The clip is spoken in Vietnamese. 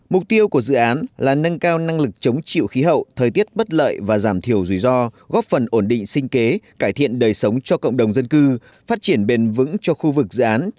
mục tiêu của dự án là nâng cao năng lực chống chịu khí hậu thời tiết bất lợi và giảm thiểu rủi ro góp phần ổn định sinh kế cải thiện đời sống cho cộng đồng dân cư phát triển bền vững cho khu vực dự án